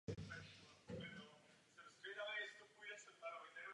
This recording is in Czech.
Taktéž při čtení z těchto registrů jsou pouze spodní čtyři bity platné.